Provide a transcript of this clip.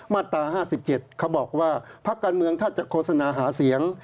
มาตรา๕๗เขาบอกว่าพักการเมืองถ้าจะโฆษณาหาเสียง